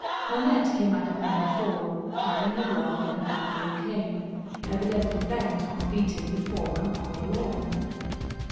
Nanette came out of Number Four, carrying a rug and a bamboo cane, evidently bent on beating the former on the lawn.